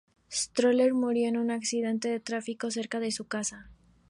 Stoller murió en un accidente de tráfico cerca de su casa.